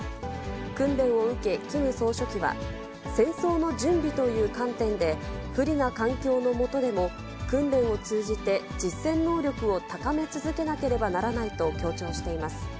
訓練を受け、キム総書記は、戦争の準備という観点で、不利な環境の下でも、訓練を通じて実戦能力を高め続けなければならないと強調しています。